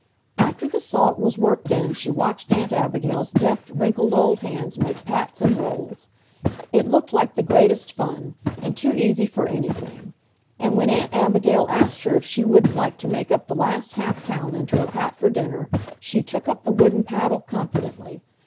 After the salt was worked in she watched Aunt Abigail's deft, wrinkled old hands make pats and rolls. It looked like the greatest fun, and too easy for anything; and when Aunt Abigail asked her if she wouldn't like to make up the last half pound into a pat for dinner, she took up the wooden paddle confidently.